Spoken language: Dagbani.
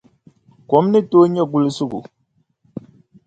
Kom ni tooi nyɛ gulisigu.